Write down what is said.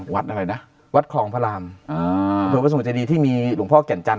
วัดอะไรนะวัดครองพระรามอ่าโรงผู้สมุทรใจรีย์ที่มีหลวงพ่อเก่นจันทร์